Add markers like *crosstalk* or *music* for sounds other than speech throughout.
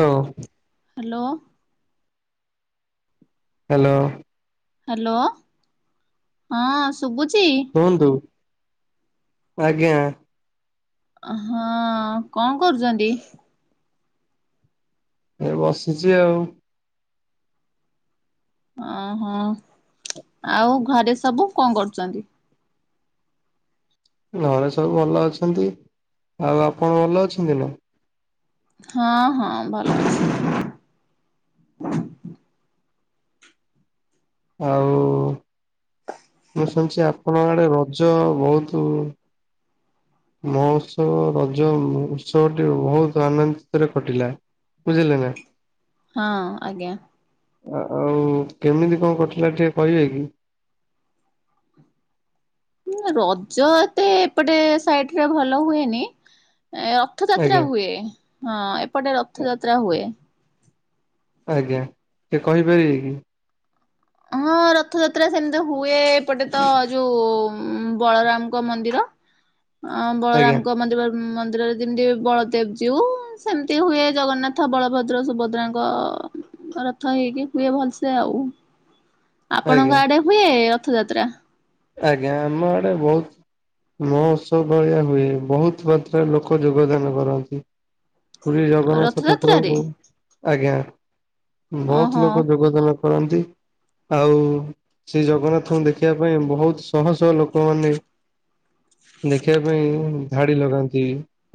ଏ ହଉ hello. Hello hello ହଁ ଶୁଭୁଛି? ହୁହନ୍ତୁ ଆଜ୍ଞା। ହଁ କଣ କରୁଛନ୍ତି। ଏ ବସିଛି ଆଉ। ଓହୋ ଆଉ ଘରେ ସବୁ କଣ କରୁଛନ୍ତି? ଘରେ ସବୁ ଭଲ ଅଛନ୍ତି ଆଉ ଆପଣ ଭଲ ଅଛନ୍ତି ନା? ହଁ ହଁ ଭଲ ଅଛି। ଆଉ ମୁଁ ଶୁଣିଛି ଆପଣଙ୍କ ଆଡେ ରଜ ବହୁତୁ ମହୋତ୍ସବ ରଜ ଉତ୍ସବଟି ବହୁତ ଆନନ୍ଦରେ କଟିଲା। ବୁଝିଲେ ନା? ହଁ ଆଜ୍ଞା। ଆଉ କେମିତି କଣ କରୁଥିଲା ଟିକେ କହିବେ କି? ରଜ ଏତେ ଏପଟେ ସାଇଟିରେ ଭଲ ହୁଏନି। ଏ ରଥଯାତ୍ରା ଆଜ୍ଞା ହୁଏ ହଁ ଏପଟେ ରଥଯାତ୍ରା ହୁଏ। ଆଜ୍ଞା ସେ କହିପାରିବେ କି? ହଁ ରଥଯାତ୍ରା ସେମିତି ହୁଏ ଏପଟେ ତ ଯୋଉ ବଳରାମଙ୍କ ମନ୍ଦିର। ହଁ ଆଜ୍ଞା ବଳରାମଙ୍କ ମନ୍ଦିର ମନ୍ଦିରରେ ଯେମିତି ବଳଦେବ ଜିଉ ସେମିତି ହୁଏ ଜଗନ୍ନାଥ ବଳଭଦ୍ର ସୁଭଦ୍ରାଙ୍କ ରଥ ହେଇକି ହୁଏ ଭଲସେ ଆଉ ଆଜ୍ଞା ଆପଣଙ୍କ ଆଡେ ହୁଏ ରଥଯାତ୍ରା? ଆଜ୍ଞା ଆମ ଆଡେ ବହୁତ୍ ନଅସ ଭଳିଆ ହୁଏ ବହୁତ ମାତ୍ରାରେ ଲୋକ ଯୋଗଦାନ କରନ୍ତି। ପୁରୀ ଜଗନ୍ନାଥ ରଥଯାତ୍ରାରେ ଠାକୁରଙ୍କୁ ଆଜ୍ଞା ବହୁତ ଓହୋ ଲୋକ ଯୋଗଦାନ କରନ୍ତି ଆଉ ସେ ଜଗନ୍ନାଥଙ୍କୁ ଦେଖିବା ପାଇଁ ବହୁତ ଶହ ଶହ ଲୋକମାନେ ଦେଖିବା ପାଇଁ ଧାଡି ଲଗାନ୍ତି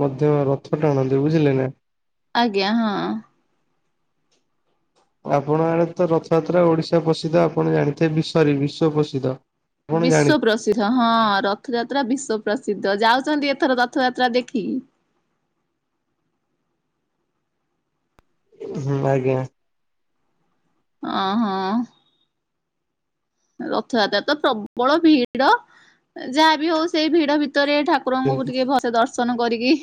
ମଧ୍ୟ ରଥ ଟାଣନ୍ତି ବୁଝିଲେ ନା? ଆଜ୍ଞା ହଁ। ଆପଣ ଆଡେ ତ ରଥଯାତ୍ରା ଓଡିଶା ପ୍ରସିଦ୍ଧ ଆପଣ ଜାଣିଥିବେ ବି ଶରୀ ବିଶ୍ୱ ପ୍ରସିଦ୍ଧ। ଆପଣ ଜାଣି ବିଶ୍ୱ ପ୍ରସି ହଁ ରଥଯାତ୍ରା ବିଶ୍ଵ ପ୍ରସିଦ୍ଧ ଯାଉଛନ୍ତି ଏଥର ରଥଯାତ୍ରା ଦେଖି? ହୁଁ ଆଜ୍ଞା। ଅ ହଁ। ରଥଯାତ୍ରାରେ ତ ପ୍ରବଳ ଭିଡ ଯାହା ବିି ହଉ ସେଇ ଭିଡ ଭିତରେ ଠାକୁ ଠାକୁରଙ୍କୁ ଯେମିତି ଟିକେ ଭଲସେ ଦର୍ଶନ କରିକି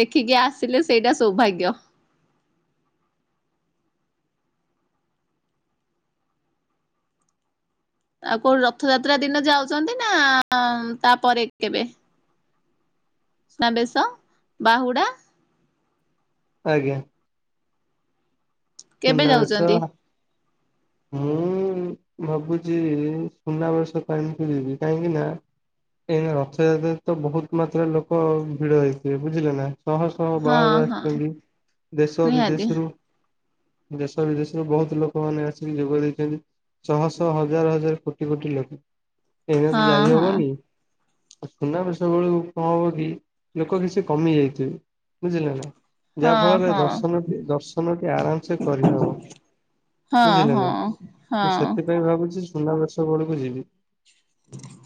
ଦେଖିକି ଆସିଲେ ସେଇଟା ସୌଭାଗ୍ୟ। ଆଉ କୋଉ ରଥଯାତ୍ରା ଦିନ ଯାଉଛନ୍ତି ନା ତାପରେ କେବେ? ସୁନାବେଶ ବାହୁଡା ଆଜ୍ଞା। କେବେ ସୁନାବେସ ଯାଉଛନ୍ତି? ମୁଁ ଭାବୁଛି ସୁନାବେସ ପାଇଁକି ଯିବି କାହିଁକି ନା ଏଇ ରଥଯାତ୍ରାରେ ତ ବହୁତ ମାତ୍ରାରେ ଲୋକ ଭିଡ ହେଇଥିବେ ବୁଝିଲେ ନା? ଶହ ଶହ ହଁ ବାହାରୁ ହଁ ଆସିଛନ୍ତି ଦେଶ ନିହାତି ବିଦେଶରୁ ଦେଶ ବିଦେଶରୁ ବହୁତ ଲୋକମାନେ ଆସିକି ଯୋଗ ଦେଇଛନ୍ତି। ଶହ ଶହ ହଜାର ହଜାର କୋଟି କୋଟି ଲୋକ ଏଇନା ତ ହଁ ହଁ ଯାଇହବନି। ସୁନାବେସ ବେଳକୁ କଣ ହବ କି ଲୋକ କିଛି କମି ଯାଇଥିବେ ବୁଝିଲେ ନା? ହଁ ଯାହା ଫଳରେ ହଁ। ଦର୍ଶନ ଦର୍ଶନଟି ଆରାମସେ ଦି ହବ ହଁ ବୁଝିଲେ ହଁ ନା ମୁଁ ହଁ ସେଥିପାଇଁ ଭାବୁଚି ସୁନାବେସ ବୋଳୁକୁ ଯିବି।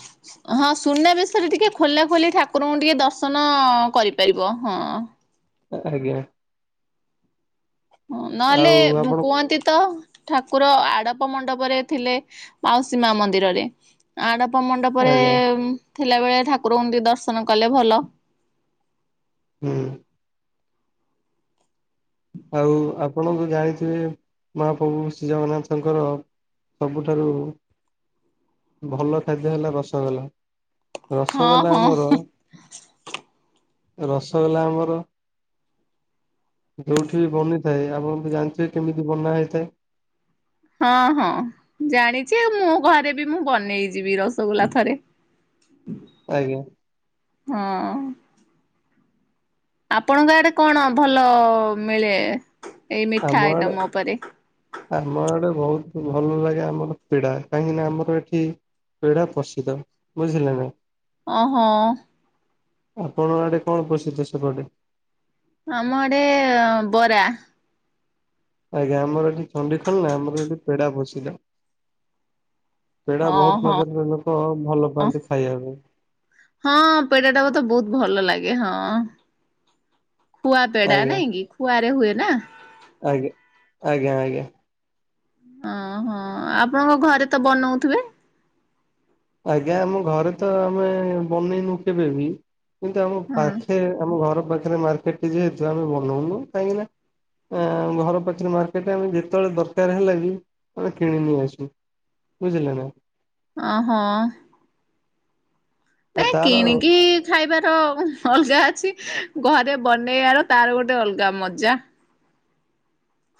*inaudible* ହଁ ସୁନାବେଶରେ ଟିକେ ଖୋଲା ଖୋଲି ଠାକୁରଙ୍କୁ ଟିକେ ଦର୍ଶନ କରିପାରିବ ହଁ। ଆଜ୍ଞା। ହଁ ନହେଲେ ଆଉ ମୁଁ ଆପଣ କୁହନ୍ତି ତ ଠାକୁର ଆଡପ ମଣ୍ଡପରେ ଥିଲେ ମାଉସୀ ମା ମନ୍ଦିରରେ। ଆଡ଼ପ ମଣ୍ଡପରେ ଆଜ୍ଞା ଥିଲାବେଳେ ଠାକୁରଙ୍କୁ ଟିକେ ଦର୍ଶନ କଲେ ଭଲ। ହୁଁ। ଆଉ ଆପଣତ ଜାଣିଥିବେ ମହାପ୍ରଭୁ ଶ୍ରୀ ଜଗନ୍ନାଥଙ୍କର। ସବୁଠାରୁ ଭଲ ଖାଦ୍ୟ ହେଲା ରସଗୋଲା। ହଁ ରସଗୋଲା ଆମର ହଁ ରସଗୋଲା ଆମର କେଉଠି ବନିଥାଏ ଆପଣ ଜାଣିଥିବେ କେମିତି ବନା ହେଇଥାଏ। ହଁ ହଁ ଜାଣିଚି ଆଉ ମୋ ଘରେ ବି ମୁଁ ବନେଇଚି ବି ରସଗୋଲା ଥରେ। *inaudible* ଆଜ୍ଞା। ହଁ। ଆପଣଙ୍କ ଆଡେ କଣ ଭଲ ମିଳେ ଏଇ ଆମ ମିଠା ଆଡେ ଆଇଟମ୍ ଓପୋରେ। ଆମ ଆଡେ ବୋହୁତ ଭଲ ଲାଗେ ଆମର ପିଡା କାହିଁକିନା ଆମର ଏଠି ପେଡା ପ୍ରସିଦ୍ଧ ବୁଝିଲେ ନା। ଅହଁ। ଆପଣଙ୍କ ଆଡ଼େ କଣ ପ୍ରସିଦ୍ଧ ସେପଟେ। ଆମ ଆଡ଼େ ବରା ଆଜ୍ଞା ଆମର ଏଠି ଚଣ୍ଡିଖୋଲ ନା ଆମର ଏଠି ପେଡା ପ୍ରସିଦ୍ଧ। ପେଡା ବୋହୁତ ଓହୋ ମାତ୍ରାରେ *unintelligible* ଲୋକ ଭଲ ପାଆନ୍ତି ଖାଇବା ପାଇଁ। ହଁ ପେଡ଼ାଟା ମତେ ବୋହୁତ ଭଲ ଲାଗେ ହଁ। ଖୁଆପେଡା ଆଜ୍ଞା। ନାଇଁ କିି ଖୁଆରେ ହୁଏ ନା। ଆଜ୍ଞା ଆଜ୍ଞା ଆଜ୍ଞା। ଅହଁ ଆପଣଙ୍କ ଘରେ ତ ବନୋଉଥିବେ। ଆଜ୍ଞା ଆମ ଘରେ ତ ଆମେ ବନେଇନୁ କେବେ ବି। କିନ୍ତୁ ଆମ ହଁ ପାଖେ ଆମ ଘର ପାଖରେ ମାର୍କେଟ ଟି ଯେହେତୁ ଆମେ ବନୋଉନୁ କାହିଁକି ନା ଆଁ ଘର ପାଖେରେ ମାର୍କେଟ ଆମେ ଯେତୋବୋଳେ ଦରକାର ହେଲା ବି ଆମେ କିଣିନେଇ ଆସୁ। ବୁଝିଲ ନା। ଅହଁ। ଆଉ ନାଇଁ ତାର କିଣିକି ଖାଇବାର ଅଲଗା ଅଛି ଘରେ ବନେଇବାର ତାର ଗୋଟେ ଅଲଗା ମଜା।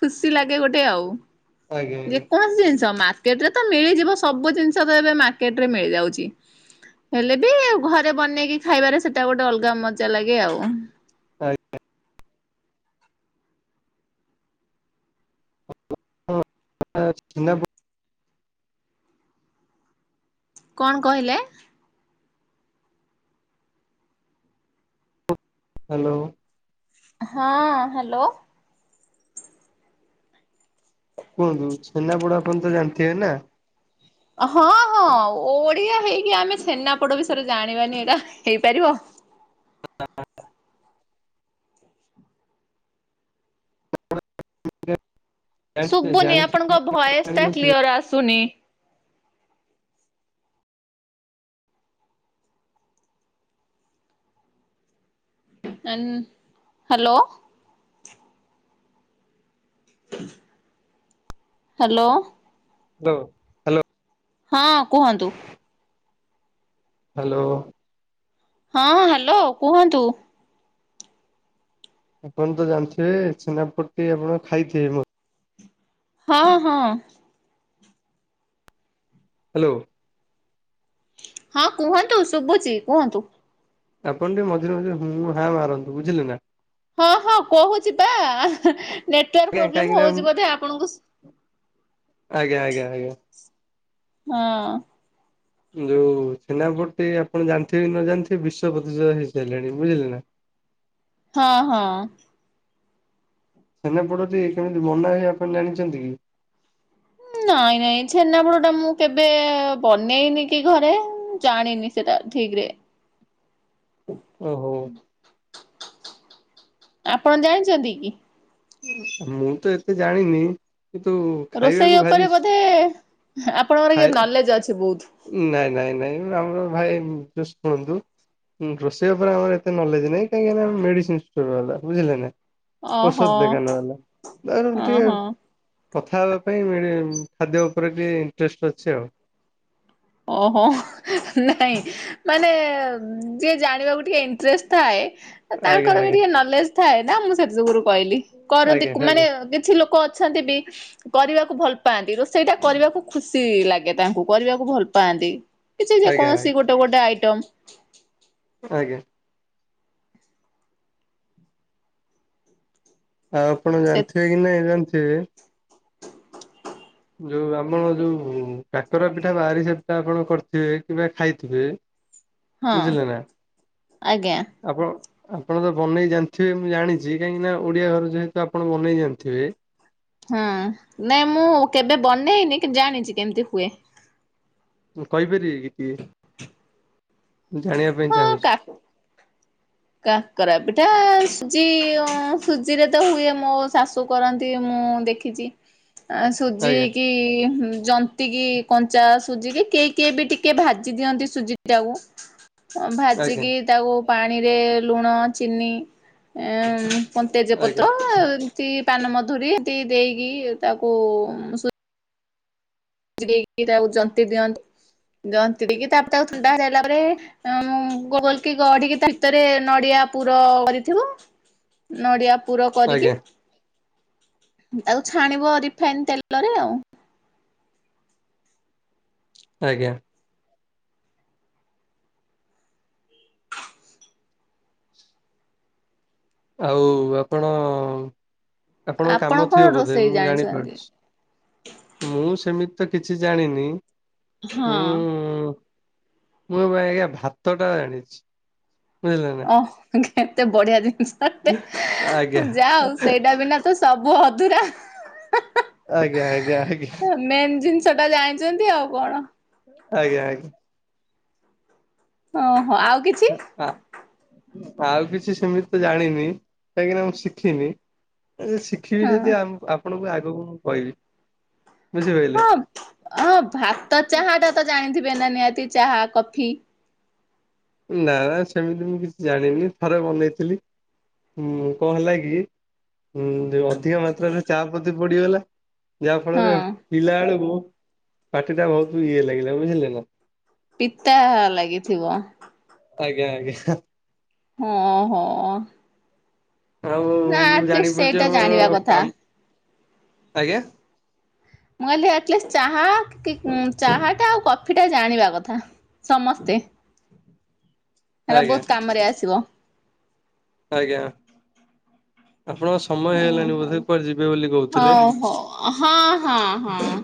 ଖୁସି ଲାଗେ ଗୋଟେ ଆଉ ଆଜ୍ଞା ଯେ ଆଜ୍ଞା କୌଣସି ଜିନିଷ ମା ମାର୍କେଟରେ ତ ମିଳିଯିବ ସବୁ ଜିନିଷ ତ ଏବେ ମାର୍କେଟ ରେ ମିଳିଯାଉଚି। ହେଲେ ବି ଆଉ ଘରେ ବନେଇକି ଖାଇବାରେ ସେଟା ଗୋଟେ ଅଲଗା ମଜା ଲାଗେ ଆଉ। *unintelligible* *unintelligible* କଣ କହିଲେ। ହାଲୋ। ହଁ ହାଲୋ। କୁହନ୍ତୁ ଛେନାପୋଡୋ ଆପଣ ତ ଜାଣିଥିବେ ନା। ହଁ ହଁ ଓଡିଆ ହେଇକି ଆମେ ଛେନାପୋଡୋ ବିଷୟରେ ଜାଣିବାନି ଏଇଟା ହେଇପାରିବ। *unintelligible* ଜାଣିଥିବେ ଶୁବୁନି ଜାଣିଥିବେ ଆପଣଙ୍କ ଭଏସ୍ ଟା ଜାଣିନଥିବେ କ୍ଲିଅର ଆସୁନି। *unintelligible* ହାଲୋ। ହାଲୋ। *unintelligible* ହଁ କୁହନ୍ତୁ। ହ୍ୟାଲୋ। ହଁ ହ୍ୟାଲୋ କୁହନ୍ତୁ। ଆପଣ ତ ଜାଣିଥିବେ, ଛେନାପଟି ଆପଣ ଖାଇଥିବେ ମ ହଁ, ହଁ। ହ୍ୟାଲୋ। ହଁ କୁହନ୍ତୁ ଶୁଭୁଚି କୁହନ୍ତୁ। ଆପଣ ଟିକେ ମଝିରେ ମଝିରେ ହୁଁ, ହାଁ ମାରନ୍ତୁ ବୁଝିଲେ ନା। ହଁ, ହଁ କହୁଚି ପା ନେଟୱାର୍ ଆଜ୍ଞା ପ୍ରୋବ୍ଲେମ୍ କାହିଁକିନା ହଉଚି ବୋଧେ ଆପଣଙ୍କୁ ଆଜ୍ଞ, ଆଜ୍ଞା, ଆଜ୍ଞା। ହଁ। ଯୋଉ ଛେନାପୋଡ ଟି ଆପଣ ଜାଣିଥିବେ କି ନ ଜାଣିଥିବେ ବିଶ୍ଵ ପ୍ରତିଶୋ ହେଇସାଇଲାଣି ବୁଝିଲେ ନା। ହଁ, ହଁ। ଛେନାପୋଡ ଟି କେମିତି ବନା ହୁଏ ଆପଣ ଜାଣିଚନ୍ତି କି? ନାଇଁ ନାଇଁ ଛେନାପୋଡ ଟା ମୁଁ କେବେ ବନେଇନି କି ଘରେ। ଜାଣିନି ସେଟା ଠିକ ରେ। ଓହୋ। ଆପଣ ଜାଣିଚନ୍ତି କି? ମୁଁ ତ ଏତେ ଜାଣିନି। କିନ୍ତୁ ଖାଇବାକୁ ରୋଷେଇ ଭାରି ଉପରେ ବୋଧେ ଆପଣଙ୍କର ଇଏ ଖାଏ ନଲେଜ୍ ଅଛି ବହୁତୁ। ନାଇଁ, ନାଇଁ, ନାଇଁ ଆମର ଭାଇ ଟିକେ ଶୁଣନ୍ତୁ। ଉଁ, ରୋଷେଇ ଉପରେ ଆମର ଏତେ ନଲେଜ୍ ନାହିଁ କାହିଁକିନା ଆମେ ମେଡ଼ିସିନ୍ ଷ୍ଟୋର୍ ବାଲା ବୁଝିଲେ ନା। ଓହୋ ଔଷଧ ଦୋକାନ ବାଲା। ଯା ହେଲଃ ଟିକେ ଓହୋ କଥା ହେବା ପାଇଁ ମିଳି ଉଁ, ଖାଦ୍ୟ ଉପରେ ଟିକେ ଇଣ୍ଟରେଷ୍ଟ ଅଛି ଆଉ। ଓହୋ, ନାଇଁ ମାନେ ଯିଏ ଜାଣିବାକୁ ଟିକେ ଇଣ୍ଟରେଷ୍ଟ ଥାଏ। ଏ ଆଜ୍ଞା ତାଙ୍କର ବି ଆଜ୍ଞା ଟିକେ ନଲେଜ୍ ଥାଏ ନା ମୁଁ ସେଥି ଯୁଗୁରୁ କହିଲି। କରନ୍ତି ଆଜ୍ଞା କୁ- ମାନେ କି ଛି ଲୋକ ଅଛନ୍ତି ବି କରିବାକୁ ଭଲ ପାଆନ୍ତି। ରୋଷେଇ ଟା କରିବାକୁ ଖୁସି ଲାଗେ ତାଙ୍କୁ। କରିବାକୁ ଭଲ ପାଆନ୍ତି। କିଛି ଯେ ଆଜ୍ଞା ଆଜ୍ଞା କୌଣସି ଗୋଟେ ଗୋଟେ ଆଇଟମ। ଆଜ୍ଞା। ଆଉ ଆପଣ ସେ ଜାଣିଥିବେ କି ନାଇଁ ଜାଣିଥିବେ ଯୋଉ ଆପଣଙ୍କ ଯୋଉ କାକରା ପିଠା ବାହାରି ସେଟା ଆପଣ କରିଥିବେ କିମ୍ବା ଖାଇଥିବେ। ହଁ ବୁଝିଲେ ନା। ଆଜ୍ଞା ଆପଣ ଆପଣ ତ ବନେଇ ଜାଣିଥିବେ ମୁଁ ଜାଣିଚି। କାହିଁକି ନା ଓଡ଼ିଆ ଘର ଯେହେତୁ ଆପଣ ବନେଇ ଜାଣିଥିବେ। ହଁ ନାଇଁ ମୁଁ କେବେ ବନେଇନି, କିନ୍ତୁ ଜାଣିଚି କେମିତି ହୁଏ। ଉଁ, କହିପାରିବେ ଟିକେ, ମୁଁ ଜାଣିବା ପାଇଁ ଚାହୁଁଛି? ଫା କାକରା ପିଠା ସୁଜି ଅଁ, ସୁଜିରେ ତ ହୁଏ। ମୋ ଶାଶୁ ଶୁ କରନ୍ତି ମୁଁ ଦେଖିଚି, ଆ, ସୁଜି ଆଜ୍ଞା କି ହୁଁ, ଜ ତିକି କଞ୍ଚା ସୁଜିକି କିଏ କିଏ ବି ଟିକେ ଭାଜି ଦିଅନ୍ତି ସୁଜି ଟାକୁ। ଅଁ, ଆଜ୍ଞା ଭାଜିକି ତାକୁ ପାଣିରେ ଲୁଣ ଚିନି ଏଁ, ଉଁ, କଣ ତେଜ ଆଜ୍ଞା ପତ୍ର ଏମତି ପାନ ମଧୁରୀ ଏମତି ଦେଇକି ତାକୁ ଉଁ, ସୁ ଜି ଦେଇକି ତାକୁ ଜନ୍ତି ଦିଅନ୍ତି। ଜନ୍ତି ଦେଇକି ତାପରେ ତାକୁ ଥଣ୍ଡା ହେଇ ସାରିଲା ପରେ ଏଁ, ମ- ଗ-ଗୋଲ କି ଗଢିକି *inaudible* ଭିତରେ ନଡିଆ ପୁର କରିଥିବ ନଡ଼ିଆ ପୁର କରିକି, ଆଜ୍ଞା ତାକୁ ଛାଣିବ ରିଫାଇନ ତେଲରେ ଆଉ। ଆଜ୍ଞା। *unintelligible* ଆଉ ଆପଣ ଆପଣଙ୍କ ଆପଣ କାମ କଣ ଥିବ ବୋଧେ ରୋଷେଇ ମୁଁ ଜାଣିଛନ୍ତି? ଜାଣିପାରୁଛି? ମୁଁ ସେମିତେ କିଛି ଜାଣିନି ହଁ। ମୁଁ ମୁଁ ଏବେ ଆଜ୍ଞା ଭାତ ଟା ଜାଣିଛି ବୁଝିଲେ ନା ଓ କେତେ ବଢିଆ ଜିନିଷଟେ ଆଜ୍ଞା। ଯାହା ହଉ ସେଇଟା ବିନା ତ ସବୁ ଅଧୁରା ହା ହା ଆଜ୍ଞା ଆଜ୍ଞା ଆଜ୍ଞା ମେନ୍ ଜିନିଷ ଟା ଜାଣିଛନ୍ତି ଆଉ କଣ। ଆଜ୍ଞା ଆଜ୍ଞା ଓହୋ ଆଉ କିଛ ହଁ ଆ ଆଉ କିଛି ସେମିତି ଜାଣିନି କାହିଁକିନା ମୁଁ ଶିଖିନି *unintelligible* ଶିଖ କ୍ଷୀରି ହଁ ଯଦି ଆମ୍ପ ଆପଣଙ୍କୁ ଆଗକୁ ମୁଁ କହିବି ବୁଝିପାଇଲେ? ଅ ଭାତ ଚାହା ଟା ତ ଜାଣିଥିବେ ନା ନିହାତି ଚାହା କଫି? ନା ସେମିତି ମୁଁ କିଛି ଜାଣିନି ଥରେ ବନେଇଥିଲି ହୁଁ କ ହେଲା କି ହୁଁ ଅଧିକ ମାତ୍ରାରେ ଚା ପଡିଗଲା ଯାହା ହଁ। ଫଳରେ ପିଲା ବେଳକୁ ପାଟି ଟା ବହୁତ ଇଏ ଲାଗିଲା ବୁଝିଲେ ନା? ପିତା ଲାଗିଥିବ? ଆଜ୍ଞା ଆଜ୍ଞା ହା। ହଁ ହୋ। ଆଉ ମୁଁ ଆଟଲିଷ୍ଟ ଜାଣିପାରୁଛି ସେଇଟା ଜାଣିବା *unintelligible* କଥା କାମ ଆଜ୍ଞା? ମୁଁ କହିଲି ଆଟଲିଷ୍ଟ ଚାହା କି ଚାହାଟା ଆଉ କଫିଟା ଜାଣିବା କଥା। ସମସ୍ତେ ହେରା ଆଜ୍ଞା ବହୁତ କାମରେ ଆସିବ। ଆଜ୍ଞା ଆପଣଙ୍କ ସ୍ ସମୟ ହେଇଗଲାଣି ବୋଧେ ଓହୋ କୁଆଡ ଯିବେ ବୋଲି କରଥିଲେ? ହଉ ହଉ ହଁ ହଁ ହଁ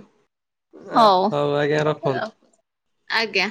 ଆ ହଉ ଆଜ୍ଞା ରଖନ୍ତୁ। ଆଜ୍ଞା।